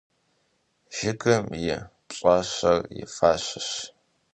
Жыгым и пщӀащэр и фащэщ.